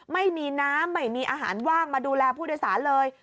ไม่มีน้ำไม่มีอาหารว่างมาดูแลผู้โดยสารเลย